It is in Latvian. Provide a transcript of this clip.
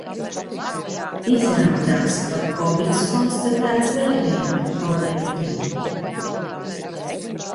Izrādās, ka kovids konstatēts vēl vienam kolēģim.